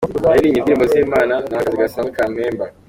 Naririmbye indirimbo z’Imana, ni akazi gasanzwe kampemba.